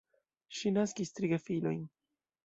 Ŝi naskis tri gefilojn.